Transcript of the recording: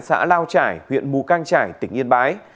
xã lao trải huyện bù cang trải tỉnh yên bái